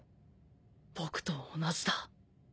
僕と同じだ